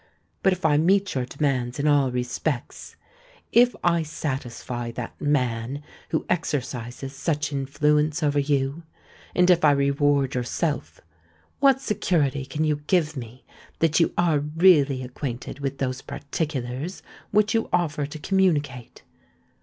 But if I meet your demands in all respects,—if I satisfy that man who exercises such influence over you, and if I reward yourself,—what security can you give me that you are really acquainted with those particulars which you offer to communicate?